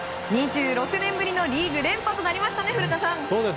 ２６年ぶりのリーグ連覇となりましたね、古田さん。